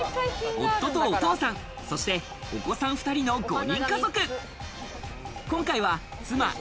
夫とお父さん、そしてお子さん２人の５人家族。